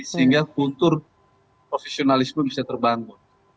sehingga kultur profesionalisme bisa terbangun